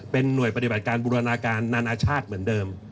เป็นหน่วยปฏิบัติการบูรณาการนานาชาติเหมือนเดิม